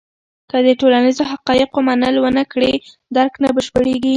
که د ټولنیزو حقایقو منل ونه کړې، درک نه بشپړېږي.